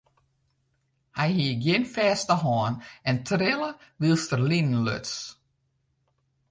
Hy hie gjin fêste hân en trille wylst er linen luts.